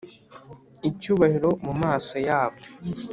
Icyubahiro mu maso yabo